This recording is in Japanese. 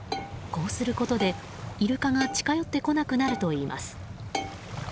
こうすることでイルカが近寄ってこなくなるといいます。